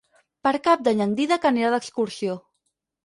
Per Cap d'Any en Dídac anirà d'excursió.